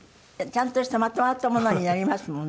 ちゃんとしたまとまったものになりますもんね。